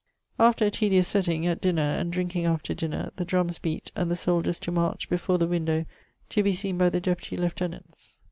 After a taedious setting (at dinner, and drinking after dinner) the drummes beate and the soldiers to march before the windowe to be seen by the Deputy Lieutenants.